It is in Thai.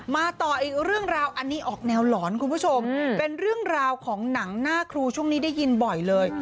มาต่ออีกเรื่องราวอันนี้ออกแนวหลอนคุณผู้ชมเป็นเรื่องราวของหนังหน้าครูช่วงนี้ได้ยินบ่อยเลย